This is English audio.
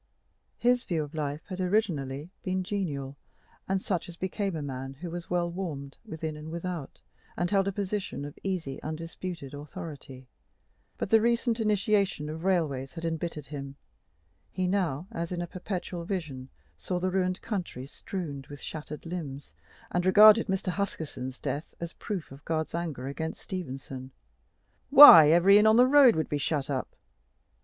His view of life had originally been genial, such as became a man who was well warmed within and without, and held a position of easy, undisputed authority; but the recent initiation of railways had embittered him: he now, as in a perpetual vision, saw the ruined country strewn with shattered limbs, and regarded Mr. Huskisson's death as a proof of God's anger against Stephenson. "Why, every inn on the road would be shut up!"